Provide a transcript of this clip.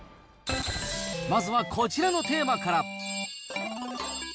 まずはこちらのテーマから。